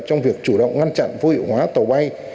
trong việc chủ động ngăn chặn vô hiệu hóa tàu bay